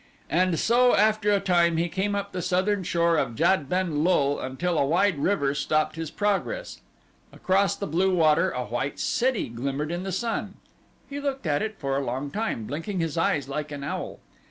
And so after a time he came up the southern shore of Jad ben lul until a wide river stopped his progress. Across the blue water a white city glimmered in the sun. He looked at it for a long time, blinking his eyes like an owl.